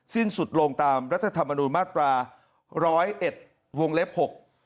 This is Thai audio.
สิ้นสุดลงตามรัฐธรรมนูญมาตรา๑๐๑วงเล็ก๖